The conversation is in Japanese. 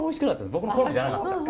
僕の好みじゃなかった。